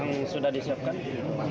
yang sudah disiapkan